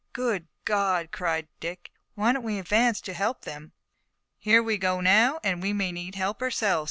"Good God!" cried Dick. "Why don't we advance to help them!" "Here we go now, and we may need help ourselves!"